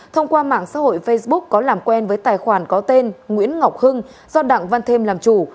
thông qua mạng xã hội facebook có làm quen với tài khoản có tên nguyễn ngọc hưng do đặng văn thêm làm chủ